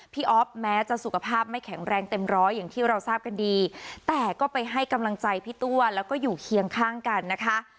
อ๊อฟแม้จะสุขภาพไม่แข็งแรงเต็มร้อยอย่างที่เราทราบกันดีแต่ก็ไปให้กำลังใจพี่ตัวแล้วก็อยู่เคียงข้างกันนะคะ